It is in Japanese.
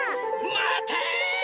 まて！